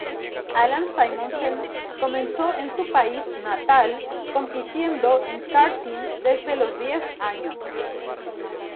Allan Simonsen comenzó en su país natal compitiendo en karting desde los diez años.